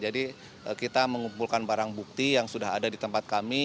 jadi kita mengumpulkan barang bukti yang sudah ada di tempat kami